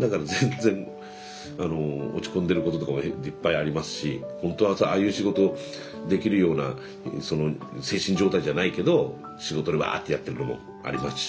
だから全然あの落ち込んでることとかもいっぱいありますしほんとはさああいう仕事できるようなその精神状態じゃないけど仕事でワーッてやってるのもありますし。